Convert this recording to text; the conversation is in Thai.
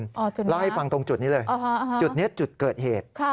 เล่าให้ฟังตรงจุดนี้เลยจุดนี้จุดเกิดเหตุ